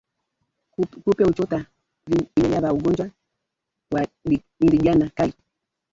Kupe huchota vimelea vya ugonjwa wa ndigana kali